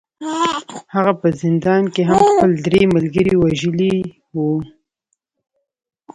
هغه په زندان کې هم خپل درې ملګري وژلي وو